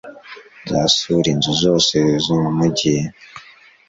nzasura inzu zose zo mumujyi